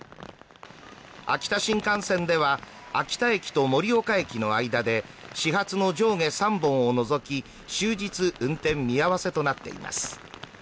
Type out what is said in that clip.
秋田新幹線では秋田駅と盛岡駅の間で始発の上下３本を除き、終日運転見合わせとなっています。